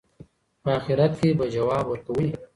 په آخرت کې به ځواب ورکوئ.